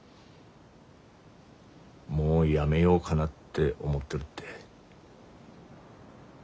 もうやめようがなって思ってるって。